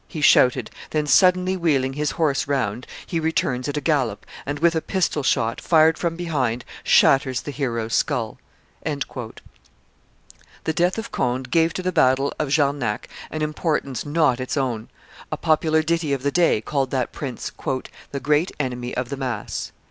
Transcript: he shouted; then suddenly wheeling his horse round, he returns at a gallop, and with a pistol shot, fired from behind, shatters the hero's skull." [Histoire des Princes de Conde, by M. le Duc d'Aumale, t. ii. pp. 65 72.] The death of Conde gave to the battle of Jarnac an importance not its own. A popular ditty of the day called that prince "the great enemy of the mass."